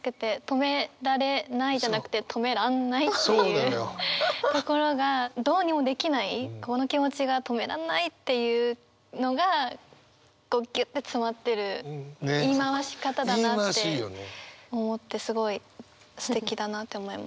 「止められない」じゃなくて「止めらんない」っていうところがどうにもできないこの気持ちが止めらんないっていうのがこうギュッて詰まってる言い回し方だなって思ってすごいすてきだなって思いました。